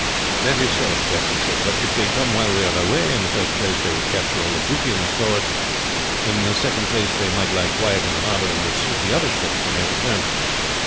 "That is so," the captain said. "But if they come while we are away, in the first place they would capture all the booty in the stores, and in the second place they might lie quiet in the harbor and would sink the other ships when they returned.